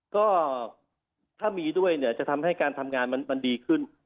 ก็ถ้ามีด้วยเนี่ยจะทำให้การทำงานมันดีขึ้น